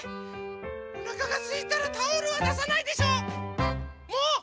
おなかがすいたらタオルはださないでしょ！もうっ！